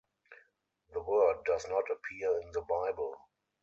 The word does not appear in the Bible.